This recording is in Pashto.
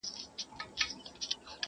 نه یوه مسته ترانه سته زه به چیري ځمه؛